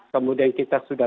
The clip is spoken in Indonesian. kemudian kita sudah